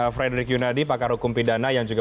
frederick yunadi pakar hukum pidana yang juga